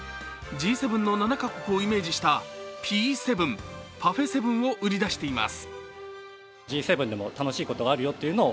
Ｇ７の７か国をイメージしたＰ７＝パフェ・セブンを売り出しています。